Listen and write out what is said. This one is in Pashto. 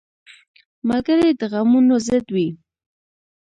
ملګری د غمونو ضد وي